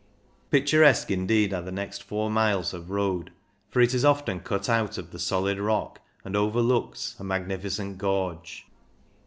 Picturesque indeed are the next four miles of road, for it is often cut out of the solid rock, and overlooks a magnificent gorge.